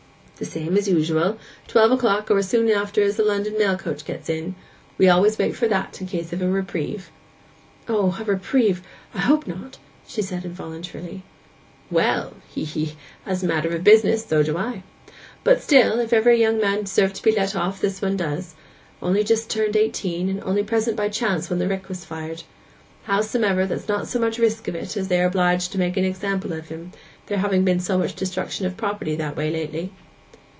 'The same as usual—twelve o'clock, or as soon after as the London mail coach gets in. We always wait for that, in case of a reprieve.' 'O—a reprieve—I hope not!' she said involuntarily, 'Well,—hee, hee!—as a matter of business, so do I! But still, if ever a young fellow deserved to be let off, this one does; only just turned eighteen, and only present by chance when the rick was fired. Howsomever, there's not much risk of it, as they are obliged to make an example of him, there having been so much destruction of property that way lately.